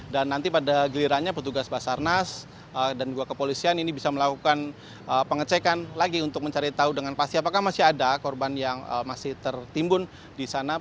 dan nanti pada gilirannya petugas basarnas dan dua kepolisian ini bisa melakukan pengecekan lagi untuk mencari tahu dengan pasti apakah masih ada korban yang masih tertimbun di sana